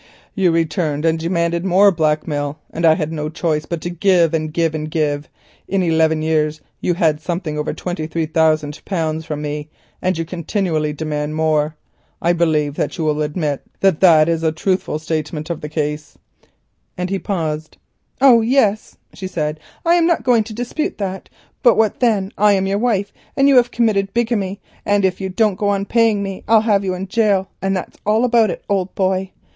"You returned and demanded more blackmail, and I had no choice but to give, and give, and give. In eleven years you had something over twenty three thousand pounds from me, and you continually demand more. I believe you will admit that this is a truthful statement of the case," and he paused. "Oh, yes," she said, "I am not going to dispute that, but what then? I am your wife, and you have committed bigamy; and if you don't go on paying me I'll have you in gaol, and that's all about it, old boy.